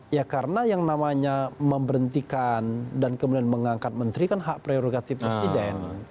ya karena yang namanya memberhentikan dan kemudian mengangkat menteri kan hak prerogatif presiden